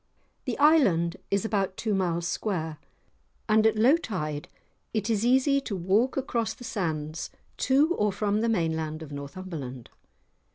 The island is about two miles square, and at low tide it is easy to walk across the sands to or from the mainland of Northumberland.